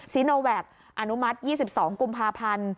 ซีโนแวคอนุมัติ๒๒กุมภาพันธ์